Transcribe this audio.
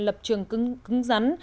lập trường cứng rắn